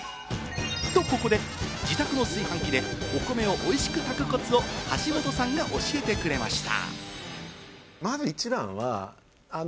と、ここで自宅の炊飯器でお米を美味しく炊くコツを橋本さんが教えてくれました。